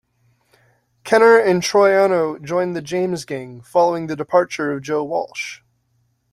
Kenner and Troiano joined The James Gang, following the departure of Joe Walsh.